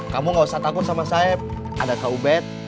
kamu gak usah takut sama saeb ada kau bet